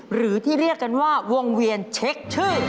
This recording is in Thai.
หรือที่เรียกกันว่าวงเวียนเช็คชื่อ